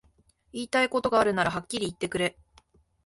言いたいことがあるならはっきり言ってくれ